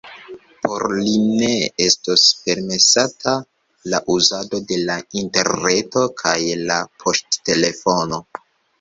Por li ne estos permesata la uzado de la interreto kaj la poŝtelefono.